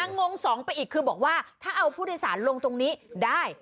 งง๒ไปอีกคือบอกว่าถ้าเอาผู้โดยสารลงตรงนี้ได้